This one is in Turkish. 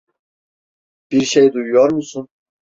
Bir şey duyuyor musun?